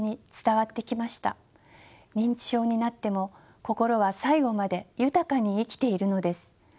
認知症になっても心は最後まで豊かに生きているのです。